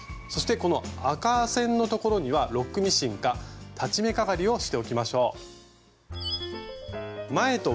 そしてこの赤線のところにはロックミシンか裁ち目かがりをしておきましょう。